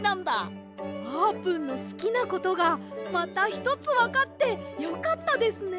あーぷんのすきなことがまたひとつわかってよかったですね。